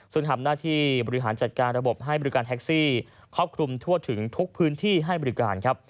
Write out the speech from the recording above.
ซึ่งทำหน้าที่บริหารจัดการระบบให้บริการแท็กซี่ครอบคลุมทั่วถึงทุกพื้นที่ให้บริการครับ